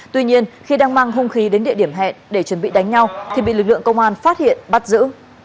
tuy nhiên khi đang mang hung khí đến địa điểm hẹn để chuẩn bị đánh nhau thì bị lực lượng công an phát hiện bắt giữ